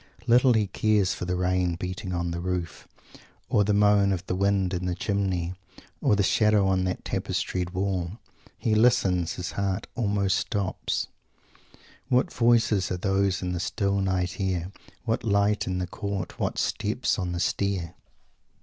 Little he cares for the rain beating on the roof, or the moan of the wind in the chimney, or the shadows on that tapestried wall! He listens his heart almost stops. "What voices are those in the still night air? What lights in the court? What steps on the stair?"